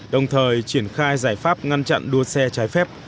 đồng thời triển khai giải pháp ngăn chặn đua xe trái phép